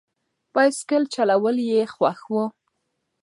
بایسکل چلول یې خوښ و.